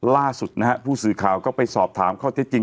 ล่าสุดนะฮะผู้สื่อข่าวก็ไปสอบถามข้อเท็จจริง